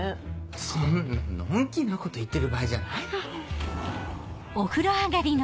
そんなのんきなこと言ってる場合じゃないだろう。